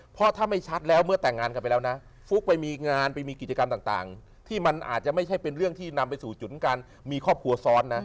เพราะถ้าไม่ชัดแล้วเมื่อแต่งงานกันไปแล้วนะฟุ๊กไปมีงานไปมีกิจกรรมต่างที่มันอาจจะไม่ใช่เป็นเรื่องที่นำไปสู่จุดการมีครอบครัวซ้อนนะ